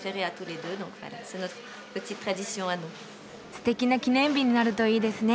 すてきな記念日になるといいですね。